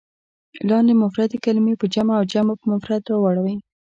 لاندې مفردې کلمې په جمع او جمع په مفرد راوړئ.